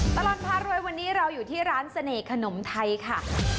ตลอดพารวยวันนี้เราอยู่ที่ร้านเสน่ห์ขนมไทยค่ะ